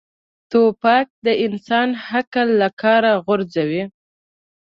توپک د انسان عقل له کاره غورځوي.